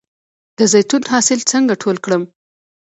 د زیتون حاصل څنګه ټول کړم؟